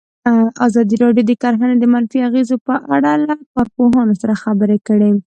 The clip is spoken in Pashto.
ازادي راډیو د کرهنه د منفي اغېزو په اړه له کارپوهانو سره خبرې کړي.